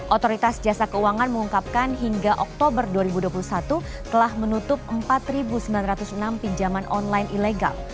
otoritas jasa keuangan mengungkapkan hingga oktober dua ribu dua puluh satu telah menutup empat sembilan ratus enam pinjaman online ilegal